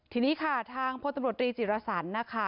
ทีนี้ค่ะทางพลตำรวจรีจิรสันนะคะ